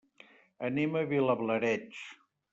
Anem a Vilablareix.